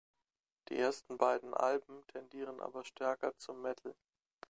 Die ersten beiden Alben tendieren aber stärker zum Metal.